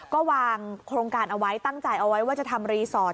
ก็วางโครงการเอาไว้ตั้งใจเอาไว้ว่าจะทำรีสอร์ท